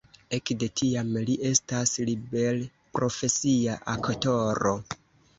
Ekde tiam li estas liberprofesia aktoro.